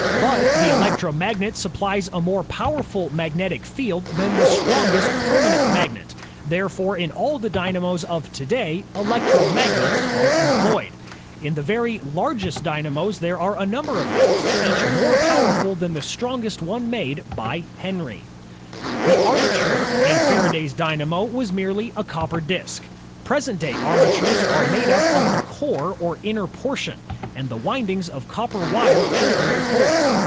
But the electromagnet supplies a more powerful magnetic field than the strongest permanent magnet; therefore in all the dynamos of to day, electromagnets are employed. In the very largest dynamos there are a number of these, each more powerful than the strongest one made by Henry. A MODERN DVNAUO The armature in Faraday's dynamo was merely a copper disk. Present day armatures are made up of a core or inner portion, and the windings of copper wire over the core.